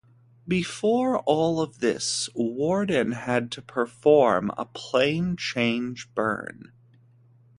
Before all of this, Worden had to perform a plane change burn.